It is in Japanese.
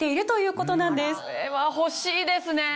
これは欲しいですね。